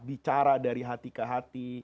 bicara dari hati ke hati